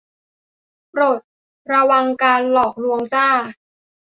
โปรดระวังการหลอกลวงจ้า